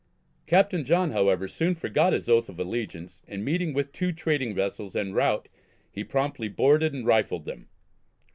Captain John, however, soon forgot his oath of allegiance, and meeting with two trading vessels en route, he promptly boarded and rifled them.